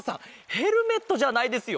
ヘルメットじゃないですよ。